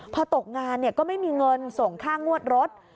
พอตกงานก็ไม่มีเงินส่งค่างวดรถ